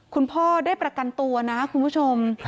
คุณพ่อได้ประกันตัวนะคุณผู้ชม